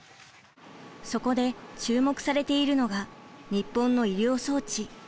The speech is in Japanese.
そこで注目されているのが日本の医療装置。